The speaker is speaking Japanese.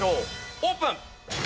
オープン！